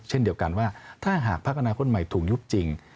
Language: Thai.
เช่นเดียวกันว่าถ้าหากพักอนาคตใหม่ถูกยุบจริง